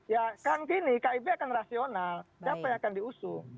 ya kan gini kib akan rasional jape akan diusung